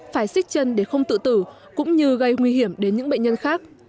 phải xích chân để không tự tử cũng như gây nguy hiểm đến những bệnh nhân khác